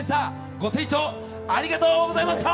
ご清聴ありがとうございました！